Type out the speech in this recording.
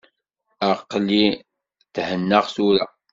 Aql-i thennaɣ tura.